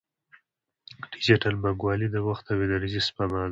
ډیجیټل بانکوالي د وخت او انرژۍ سپما ده.